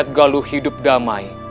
melihat galuh hidup damai